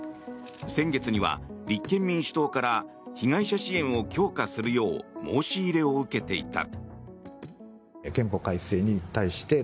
先月には立憲民主党から被害者支援を強化するよう申し入れを受けていた。